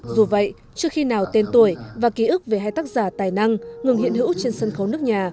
dù vậy chưa khi nào tên tuổi và ký ức về hai tác giả tài năng ngừng hiện hữu trên sân khấu nước nhà